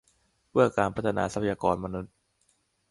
เพื่อการพัฒนาทรัพยากรมนุษย์